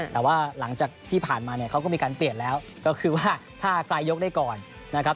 แต่ว่าหลังจากที่ผ่านมาเนี่ยเขาก็มีการเปลี่ยนแล้วก็คือว่าถ้าใครยกได้ก่อนนะครับ